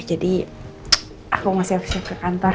jadi aku mau siap siap ke kantor